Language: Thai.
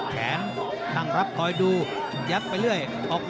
ข้างรับคอยดูอยากไปเรื่อย